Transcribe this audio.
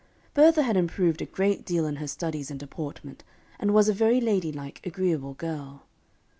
Bertha had improved a great deal in her studies and deportment, and was a very lady like, agreeable girl.